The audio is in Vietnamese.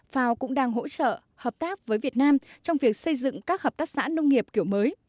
fao cũng đang hỗ trợ hợp tác với việt nam trong việc xây dựng các hợp tác xã nông nghiệp kiểu mới